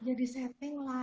ya disetting lah